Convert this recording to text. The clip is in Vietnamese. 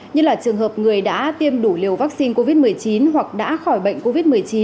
như là trường hợp người đã tiêm đủ liều vaccine covid một mươi chín hoặc đã khỏi bệnh covid một mươi chín